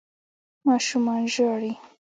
ماشومان ژاړي